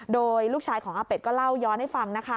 โดยลูกชายของอาเป็ดก็เล่าย้อนให้ฟังนะคะ